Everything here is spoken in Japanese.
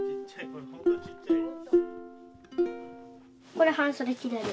これ半袖着れる。